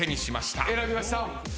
選びました。